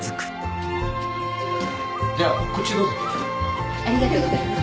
じゃこっちどうぞ。ありがとうございます。